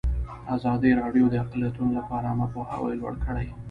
ازادي راډیو د اقلیتونه لپاره عامه پوهاوي لوړ کړی.